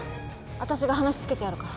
あたしが話つけてやるから。